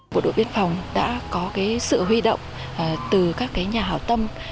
bộ đội biên phòng đã có sự huy động từ các nhà hảo tâm